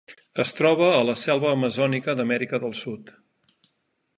Es troba a la selva amazònica d'Amèrica del Sud.